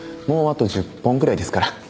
もうあと１０本ぐらいですから。